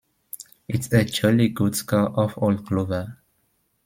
It's a jolly good score off old Glover.